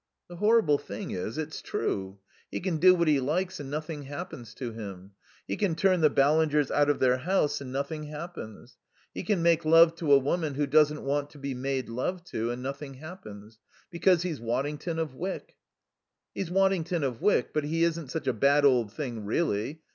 "The horrible thing is, it's true. He can do what he likes and nothing happens to him. He can turn the Ballingers out of their house and nothing happens. He can make love to a woman who doesn't want to be made love to and nothing happens. Because he's Waddington of Wyck." "He's Waddington of Wyck, but he isn't such a bad old thing, really.